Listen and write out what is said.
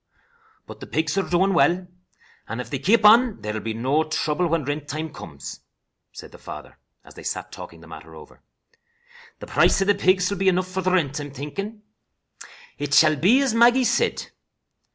"But the pigs are doing well, and, if they keep on, there will be no trouble when rent time comes," said the father, as they sat talking the matter over. "The price of the pigs will be enough for the rint, I'm thinkin'. It shall be as Maggie said.